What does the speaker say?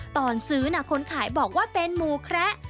ตอนซื้อคนขายบอกว่าเป็นหมูแคระ